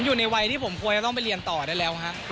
อยู่ในวัยที่ผมควรจะต้องไปเรียนต่อได้แล้วฮะ